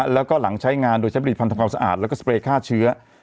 แล้วก็หลังใช้งานโดยใช้ผลิตภัณฑ์ทำความสะอาดแล้วก็สเปรย์ฆ่าเชื้อ